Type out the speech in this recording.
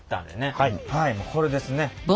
はいもうこれですね。